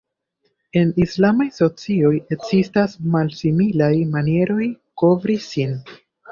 En islamaj socioj ekzistas malsimilaj manieroj kovri sin.